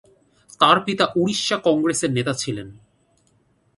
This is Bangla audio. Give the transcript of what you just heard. তার পিতা উড়িষ্যা কংগ্রেসের নেতা ছিলেন।